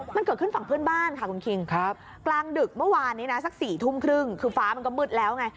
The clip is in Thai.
มันเกิดขึ้นฝั่งเพื่อนบ้านค่ะคุณคิงกลางดึกเมื่อวานนี้นะสัก๔ทุ่มครึ่งคือฟ้ามันก็มืดแล้วไง